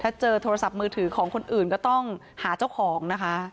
ถ้าเจอโทรศัพท์มือถือของคนอื่นก็ต้องหาเจ้าของนะคะ